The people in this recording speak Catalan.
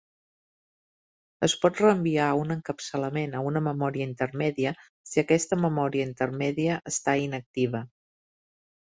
Es pot reenviar un encapçalament a un memòria intermèdia si aquesta memòria intermèdia està inactiva.